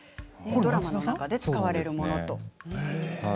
ドラマの中で使われるものです。